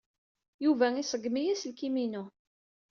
Yuba iṣeggem-iyi aselkim-inu.